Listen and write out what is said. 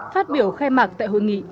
phát biểu khai mạc tại hội nghị